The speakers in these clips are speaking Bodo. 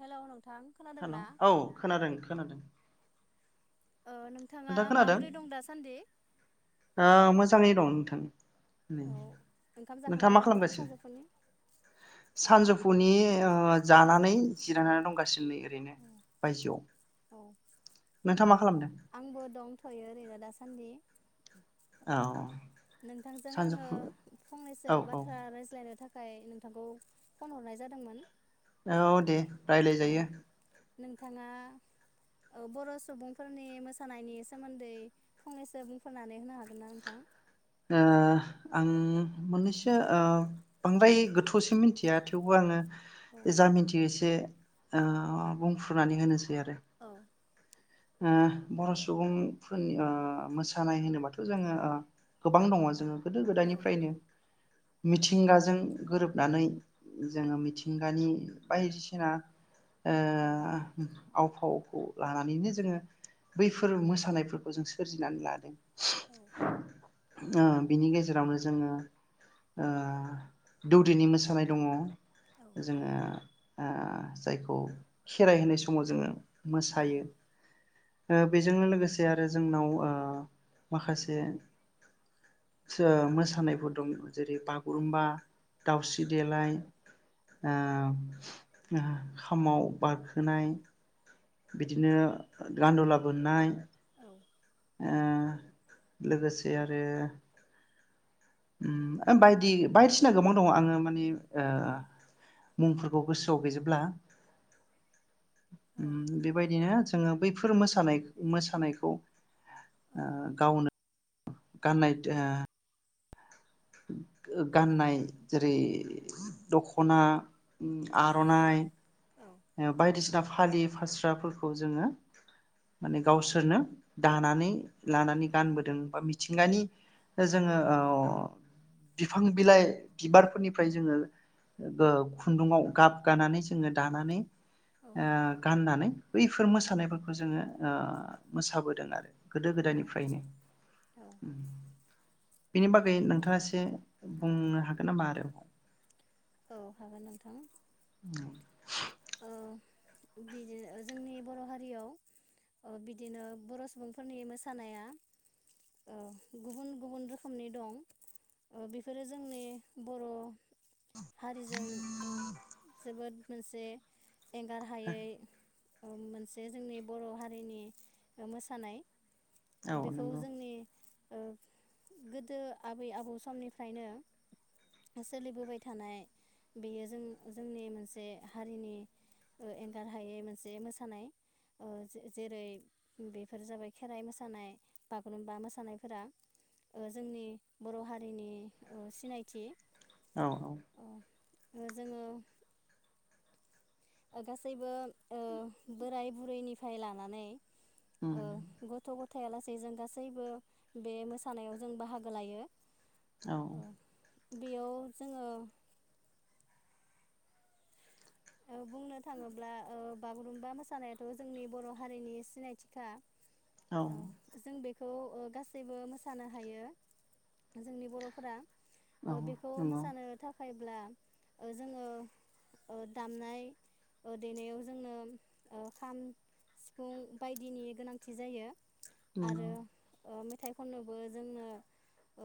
हेलौ नों हेलौ औ खोनादों खोनादों ओ नोंथाङा नोंथां खोनादों माबोरै दं दासान्दि? ओ मोजाङै दं नोंथां [unintelligible] उम औ ओंखाम नोंथाङा मा जाखांबायना नोंथां सानजौफुनि? खालामगासिनो सानजौफु फनि जानानै जिरायनानै दंगासिनो नै ओरैनो बायजोआव औ नोंथाङा मा खालामदों आंबो दंथ'यो ओरैनो दासान्दि औ नोंथांजों आङो सानजौफु फंनैसो औ औ बाथ्रा रायज्लायनो थाखाय थाखाय नोंथांखौ फन हरनाय जादोंमोन औ दे औ राय्लायजायो नोंथाङा बर' ओ सुबुंफोरनि मोसानायनि सोमोन्दै फंनैसो बुंफोरनानै होनो हागोन ना नोंथां ओ आं मोननैसो ओ बांद्राय गोथौसिम मिथिया थेवबो आङो औ जा मिनथियो एसे ओ बुंफ्रुनानै होनोस बि आरो औ ओ बर' सुबुंफोरनि ओ मोसानाय होनोबाथ' जोङो ओ गोबां दङ जोङो गोदो औ गोदायनिफ्रायनो मिथिंगाजों गोरोबनानै जोङो मिथिंगानि बायदिसिना औ ओ आव फावखौ लानानैनो जोङो बैफोर मोसानायफोरखौ जों सोरजिनानै लादों। [inaudible] बिनि गेजेरावनो जोङो ओ दौदिनि मोसानाय दङ। औ जोङो ओ जायखौ खेराइ होनाय समाव जोङो औ मोसायो बेजोंनो लोगोसे आरो जोंनाव ओ माखासे मोसानायफोर दं जेरै- बागुरुम्बा दाउस्रि देलाय ओ खामाव बारखोनाय बिदिनो गान्दला बोननाय [inaudible] ओ लोगोसे आरो ओम बायदि बायदिसिना गोबां दङ आङो माने ओ औ मुंफोर खौ गोसोआव गैजोबला औ ओम बेबायदिनो जोङो बै फोर मोसानाय मोसानायखौ ओ गावनो गाननाय दा [unintelligible] गाननाय जेरै [unintelligible] दख'ना आर'नाइ औ बायदिसिना फालि फास्राफोरखौ जोङो माने औ गावसोरनो दानानै लानानै गानबोदों बा मिथिंगानि दा जोङो औ बिफां बिलाइ बिबारफोरनिफ्राय जोङो ओ खुन्दुङाव गाब गानानै जोङो दानानै औ ओ गाननानै बैफोर मोसानायफोरखौ जोङो ओ मोसाबोदों आरो गोदो औ गोदायनिफ्रायनो औ बेनि बागै नोंथाङासो बुंनो हागोन नामा आरो? औ हागोन नोंथां ओ बिदि जोंनि बर' हारियाव बिदिनो बर' सुबुंफोरनि मोसानाया ओ गुबुन गुबुन रोखोमनि दं ओ बेफोरो जोंनि बर' हारिजों जोबोद मोनसे एंगारहायै मोनसे जोंनि बर' हारिनि मोसानाय औ बेखौ नंगौ जोंनि ओ गोदो आबै आबौ समनिफ्रायनो सोलिबोबाय थानाय बेयो जों जोंनि मोनसे हारिनि ओ एंगार हायै मोनसे मोसानाय ओ जेरै बेफोर जाबाय खेराइ मोसानाय बागुरुम्बा मोसानायफोरा जोंनि बर' हारिनि ओ सिनायथि। औ औ ओ जोङो गासैबो ओ बोराय बुरैनिफ्राय लानानै उम ओ गथ' गथ थाय आलासेै जों गासैबो बे मोसानायाव जों बाहागो लायो। औ ओ बेयाव जोङो ओ बुंनो थाङोब्ला ओ बागुरुमबा मोसानायाथ' जोंनि बर' हारिनि सिनायथिखा। औ खौ गासैबो मोसानो हायो जोंनि बर'फोरा औ ओ बेखौ नंगौ मोसानो थाखाय ब्ला ओ जोङो ओ दामनाय ओ देनायाव जोंनो ओ खाम सिफुं बायदिनि गोनांथि जायो। नंगौ आरो ओ मेथाइ खननोबो जोंनो औ ओ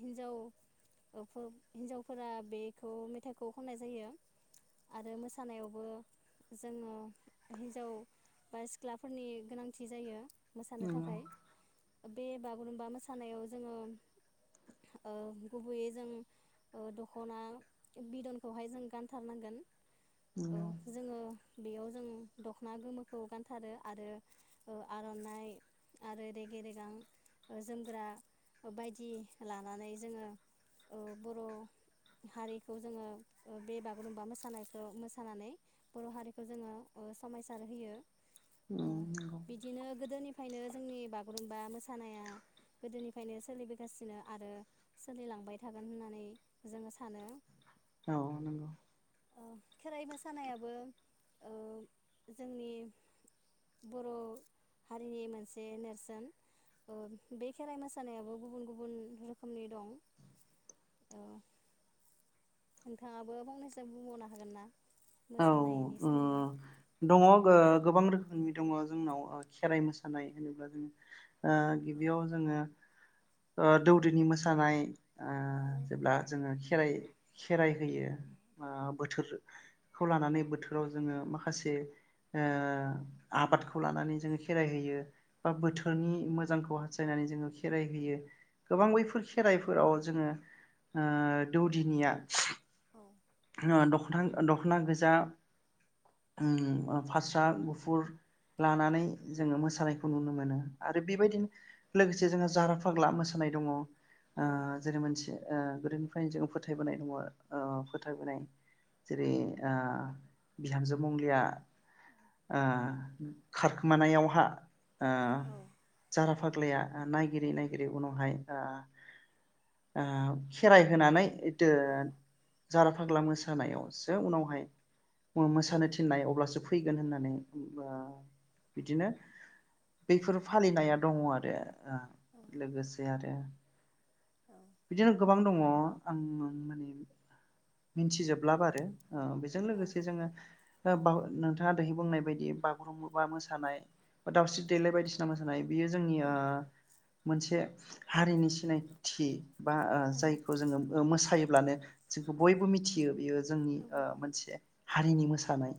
हिन्जाव हिन्जावफोरा बेखौ मेथाइखौ खननाय जायो। आरो मोसानायावबो जोङो हिन्जाव बा सिख्लाफोरनि गोनांथि जायो। मोसानो नंगौ थाखाय बे बागुरुम्बा मोसानायाव जोङो ओ गुबैयै जों ओ दखना बिदनखौहाय जों गानथार नांगोन। ओ नंगौ जोङो बेयाव जों दखना गोमोखौ गानथारो आरो आरनाइ आरो रेगे रेगां ओ जोमग्रा बायदि लानानै जोङो ओ बर' हारिखौ जोङो ओ बे बागुरुम्बा मोसा मोसानायखौ मोसानानै ब'र हारिखौ जोङो समायसार होयो। औ उम नंगौ बिदिनो गोदोनि बेखायनो जोंनि बागुरुम्बा मोसानाया गोदोनिफ्रायनो सोलिबोगासिनो आरो सोलिलांबाय थागोन होननानै जोङो सानो। औ नंगौ ओ खेराइ मोसानायाबो ओ जोंनि बर हारिनि मोनसे नेरसोन ओ बे खेराइ मोसानायाबो गुबुन गुबुन रोखोमनि दं। औ नोंथाङाबो फंनैसो बुंबावनो हागोन ना? औ मोसानायनि ओ सोमोन्दै? दङ गोबां रोखोमनि दङ जोंनाव ओ खेराइ मोसानाय होनोब्ला जों ओ गिबियाव जोङो ओ दौदोनि मोसानाय ओ जेब्ला जोङो खेराइ खेराइ होयो ओ बोथोर खौ लानानै बोथोराव जोङो माखासे ओह आबादखौ लानानै जोङो खेराइहोयो बा बोथोरनि मोजांखौ हास्थायनानै जोङो खेराइ गोबां बैफोर खेराइफोराव जोङो ओह दौदिनिया ओह दखना दखना गोजा उम ओह फास्रा गुफुर लानानै जोङो मोसानायखौ नुनो मोनो आरो बेबायदिनो लोगोसे जोंआ जारा फाग्ला मोसानाय दङ। ओ जेरै मोनसे ओ गोदो ओखायनो जोंङो फोथायबोनाय दंङ आरो ओ फोथ फोथायबोनाय जेरै ओ बिहामजोमंलिया ओ खारखोमानायावहा ओ जाराफाग्लाया ओ नायगिरि नायगिरि उनावहाय ओ ओ खेराइ होनानै दो जाराफाग्ला मोसानायावसो उनावहाय। मो मोसानोथिननाय अब्लासो फै गोन होननानै ओ बिदिनो। बैफोर फालिनाया दङ आरो। [inaudible] ओ लोगोसे आरो। बिदिनो गोबां दङ आं माने मिथिजोबलाबो आरो। ओ बेजोंलोगोसे जोङो। ओ बा नोंथाङा दैहैबुंनायबायदि बागुरुम्बा मोसानाय बा दाावस्रिदेलाय बायदिसिना मोसानाय। बियो जोंनिया मोनसे। हारिनि सिनायथि बा ओह जायखौजोङो ओह मोसायो। ब्लानो जोंखौबयबो मिथियो बेयो जोंनि ओह मोनसे हारिनि मोसानाय।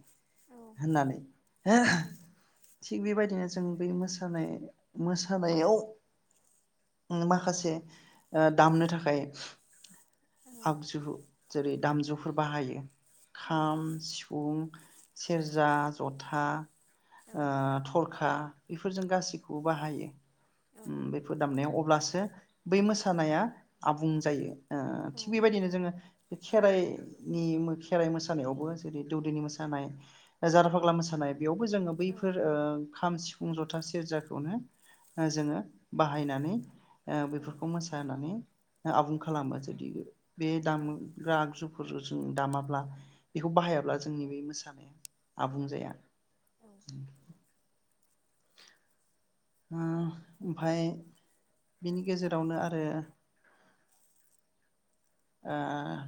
होननानै हो थिग बेबायदिनोजों बे मोसानाय मोसानायाव माखासे। ओ दामनो थाखाय आगजु जेरै दामजुफोर बाहायो। खाम, सिव उं सेरजा जथा। ओ थर। खा बेफोरजों गासैखौव बाहायो। उम बेफोर दामनायाव ब्लासो बै मोसा मोसानाया आबुं जायो ओ थिग बेबायदिनोजोङो बे खेराइनि खेराइ मोसानायावबो जेरै दौदैनि मोसानाय जारफाग्ला मोसानाय। बेयावबोजोङो बैफोर ओ खाम सि फुं, जथा सेरजाखौनो ओह जोङो बाहायनानै। ओ बैफोर सा होननानै आबुं खालामो जुदि बे दामग्रा आगजुफोर जों दामाब्ला बेखौ बाहायाब्ला जोंनि बे मोसानाया आबुं जाया। औ। हो ओमफाय बिनि गेजेरावनो आरो। ओ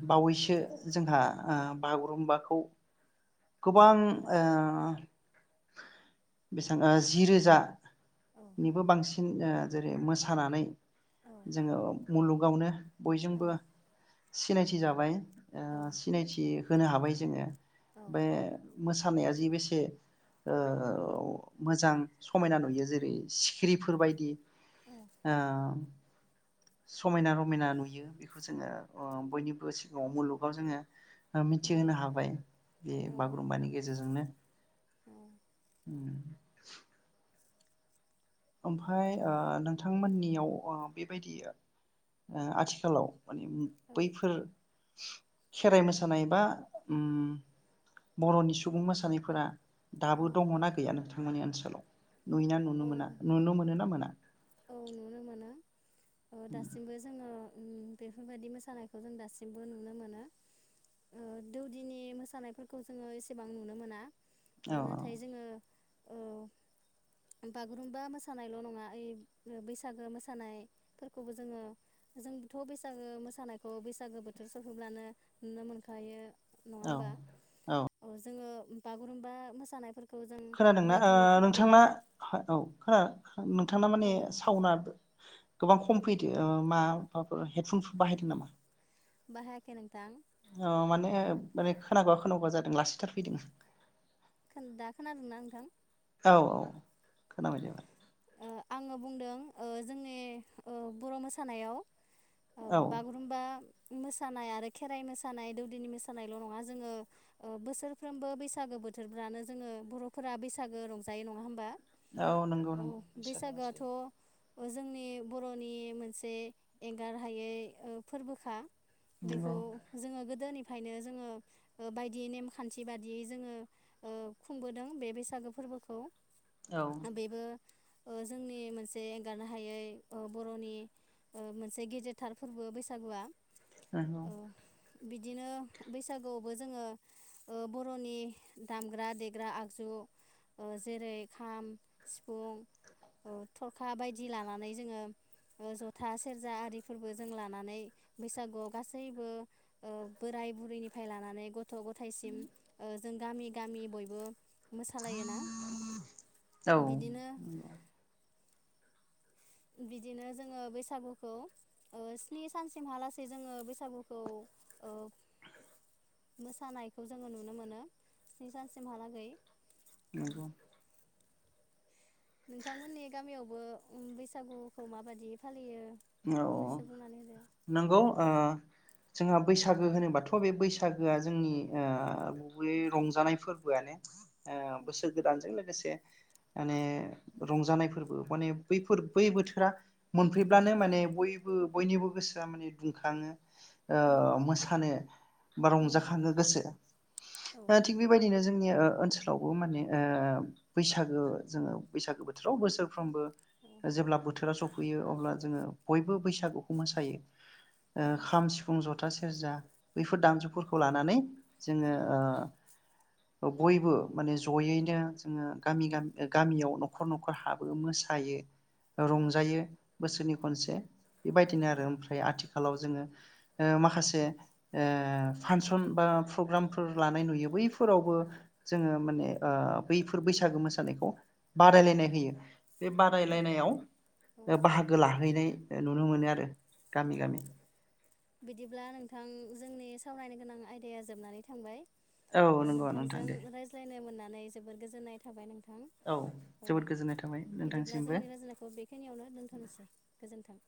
बावैसो जोंहा ओ बागुरुम्बाखौ गोबां ओ बेसेबां जि रोजा निबो बांसिन ओ जेरै मोसानानै जोङो मुलुगावनो बयजोंबो सिनायथि जाबाय। औ ओ सिनायथि होनो हाबाय। जोङो। औ बे मोसा सानायाजि बेसे ओ मोजां समायना नुयो जेरै सिखिरिफोरबायदि औ ओ समायना रमायना नुयो बेखौ जोङो ओ बयनिबो सिगाङाव मुलुगाव जोङो मिथिहोनो हाबाय बे औ बागुरुम्बानि गेजेरजोंनो। [inaudible] ओमफाय ओ नोंथांमोननियाव ओ बेबायदि ओ आथिखालाव माने औ बैफोर खेराइ मोसानाय बा ओम बर'नि सुबुं मोसानायफोरा औ दाबो दङना गैया नोंथां? मोनि ओनसोलाव नुयोना नुनो मोना? नुनो मोनोना मोना? औ नुनो मोनो। ओ दासिमबो जोङो ओ बेफोरबायदि मोसानायखौ जों दासिमबो नुनो मोनो दौदिनि मोसानायफोरखौ जोङो एसेबां नुनो मोना। ओ औ नाथाय जोङो औ बागुरुम्बा मोसानायल' नङा ओइ बैसागो मोसानाय फोरखौबो जोङो जोंथ' बैसागो मोसानायखौ बैसागो बोथोर सफैब्लानो नुनो मोनखायो। नङा औ होमबा अ जोङो। बागुरुम्बा मोसानायफोरखौ। जों खोनादोंना बायदि फोरबो नोंथांना औ खोन। नोंथांना माने औ सावना। गोबां खम फैदो मा-माबाफोर हेडफनफोर बाहायदों नामा? बाहायाखै नोंथां अ माने माने खोनागया खोनागया जा दों लासैथारफैदों दा खोनादोंना नोंथां? औ औ खोनाबाय दे एबार। ओ आङो बुंदों ओ जोंनि ओ बर' मोसानायाव ओ औ बागुरुम्बा मोसानाय आरो खेराइ मोसानाय दौदिनि मोसानायल' नङा जोङो ओ बोसोरफ्रोमबो बैसागो बोथोरफ्रानो जोङो बर'फोरा बैसागो रंजायो नङा होमबा। औ नंगौ नंगौ बैसागो मोसायो। ओ जोंनि बर'नि मोनसे एंगार हायै ओ फोरबोखा। नंगौ बेखौ जोङो गोदोनि बेखायनो जोङो ओ बायदि नेमखान्थि बादियै जोङो ओ खुंबोदों बे बैसागो फोरबोखौ। औ ओ बेबो ओ जोंनि मोनसे एंगारनो हायै ओ बर'नि मोनसे ओ गेदेरथार फोरबो बैसागुआ। नंगौ बिदिनो बैसागुआवबो जोङो ओ बर'नि दामग्रा देग्रा आगजु ओ जेरै खाम, सिफुं, ओ थरखा बायदि लानानै जोङो ओ ज'था सेरजा आरिफोरबो जों लानानै बैसागुआव गासैबो ओ बोराय बुरैनिफ्राय लानानै ग थ' गथायसिम ओ जों गामि गामि बयबो मोसालायोना। औ बिदिनो नंगौ बिदिनो जोङो बैसागुखौ ओ स्नि सानसिमहालासै जोङो बैसागुखौ ओ मोसानायखौ जोङो नुनो मोनो स्नि सानसिमहालागै। नंगौ नोंथांमोननि गामियाव बो ओम बैसागुखौ माबायदि फालियो औ फंनैसो औ बुंनानै होदो नंगौ ओ जोंहा बैसागो होनोबाथ' बे बैसागोआ जोंनि ओ गुबै रंजानाय फोरबोआनो। ओ औ बोसोर गोदानजों लोगोसे माने रंजानायफोरबो माने बैफोर बै बोथोरा औ मोनफैब्लानो बयबो बयनिबो गोसोआ माने दुंखाङो। ओ औ मोसानो बा औ रंजाखांओ गोसोआ औ ओ थिग बेबायदिनो जों नि ओ-ओनसोलावबो माने ओ बैसागो जोंङो बैसागो बोथोराव बोसोरफ्रोमबो औ जेब्ला बोथोरा सफै फैयो अब्ला जोंङो बयबो बैसागुखौ मोसायो औ ओ खाम, सिफुं, जथ था, सेरजा बैफोर दामजुफोरखौ लानानै जोंङो ओ औ बयबो माने जयैनो जोंङो औ गामि-गामि ओ गामियाव न खर न'खर हाबो मोसायो रंजायो बोसोरनि खनसे‌ बेबायदिनो आरो ओमफ्राय आथिखा आथिखालाव जोंङो ओ माखासे ओ फानसन बा प्रग्रामफोर लानाय नुयो बैफोरावबो जोंङो माने ओ बैफोर बैसागो मोसानायखौ औ बादायलायनाय होयो बे औ बादायलायनायाव औ औ ओ बाहागो ला [unintelligible] नुनो मोनो आरो। गामि गामि‌ बिदिब्ला नोंथां जोंनि सावरायनो गोनां आयदाया जोबनानै थांबाय औ ओ नंगौ नोंथां नोंथांजों दे रायज्लायनो मोनना नानै जोबोर गोजोननाय थाबाय नोंथां। औ ओ जोबोद गोजोननाय थाबाय बिदिब्ला नोंथांसिमबो जोंनि रायज्लायनायखौ बेखिनियावनो दोन्थ'नोसै गोजोन्थों।